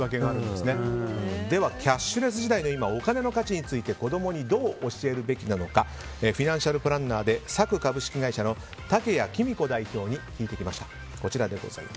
では、キャッシュレス時代の今お金の価値について子供にどう教えるべきなのかファイナンシャルプランナーでＳＡＫＵ株式会社の竹谷希美子代表に聞いてきました。